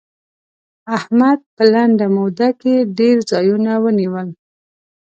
احمد په لنډه موده کې ډېر ځايونه ونيول.